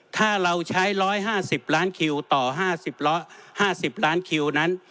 ถ้าเราใช้๑๕๐ล้านคิวต่อ๕๐ล้านคิวนั้น